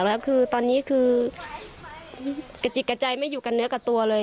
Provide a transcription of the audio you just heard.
แล้วคือตอนนี้คือกระจิกกระจายไม่อยู่กับเนื้อกับตัวเลย